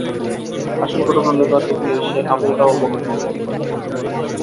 আসল ঘটনা লুকোতে গিয়ে সে আবােল-তাবােল বকে চলেছে।